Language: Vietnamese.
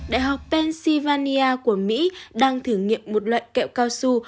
đại học pennsylvania của mỹ đang thử nghiệm một loại kẹo cao su